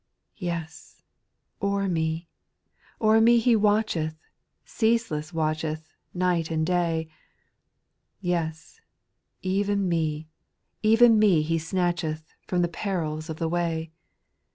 2. Yes 1 o'er me, o'er me He watcheth. Ceaseless watcheth, night and day ; Yes I even me, even me He snatcheth From the perils of the way.